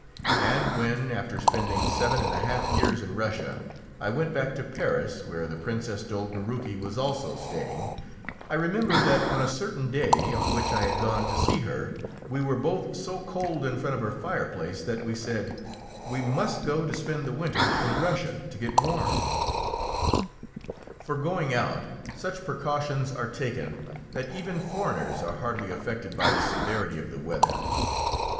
And when, after spending seven and a half years in Russia, I went back to Paris, where the Princess Dolgoruki was also staying, I remember that on a certain day, on which I had gone to see her, we were both so cold in front of her fireplace that we said, "We must go to spend the winter in Russia to get warm." [Illustration: ISABEL CZARTORYSKA A Polish Noblewoman.] For going out, such precautions are taken that even foreigners are hardly affected by the severity of the weather.